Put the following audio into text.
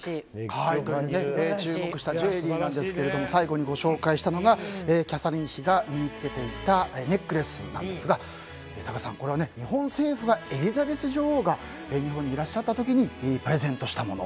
注目したジュエリーなんですが最後にご紹介したのがキャサリン妃が身に着けていたネックレスなんですが多賀さん、これは日本政府がエリザベス女王が日本にいらっしゃった時にプレゼントしたもの。